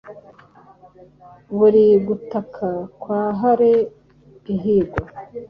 Buri gutaka kwa Hare ihigwa